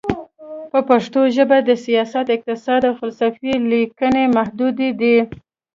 په پښتو ژبه د سیاست، اقتصاد، او فلسفې لیکنې محدودې دي.